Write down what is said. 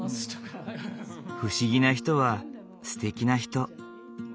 不思議な人はすてきな人。